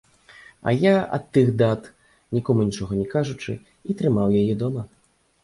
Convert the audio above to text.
А я, ад тых дат, нікому нічога не кажучы, і трымаў яе дома.